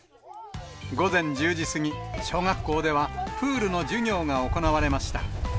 午前１０時過ぎ、小学校では、プールの授業が行われました。